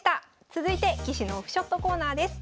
続いて棋士のオフショットコーナーです。